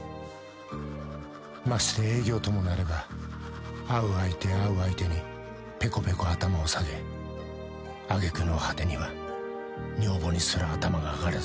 ［まして営業ともなれば会う相手会う相手にぺこぺこ頭を下げ揚げ句の果てには女房にすら頭が上がらず］